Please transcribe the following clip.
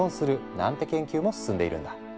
なんて研究も進んでいるんだ。